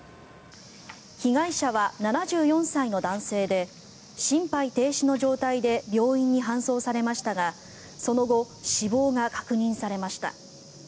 被害者は７４歳の男性で心肺停止の状態で病院に搬送されましたがその後、死亡が確認されました。